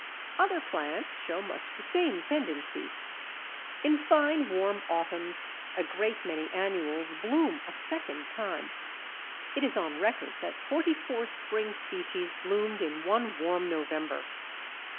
Other plants show much the same tendency. In fine warm autumns a great many annuals bloom a second time. It is on record that forty four spring species bloomed in one warm November.